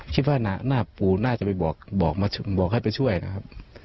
คิดว่าหน้าปู่น่าจะไปบอกให้ไปช่วยนะครับ